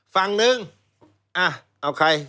ฟังหนึ่งให้ใคร